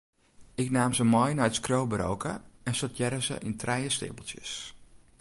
Ik naam se mei nei it skriuwburoke en sortearre se yn trije steapeltsjes.